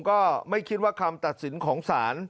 ก็ไม่คิดว่าคำตัดสินของศาล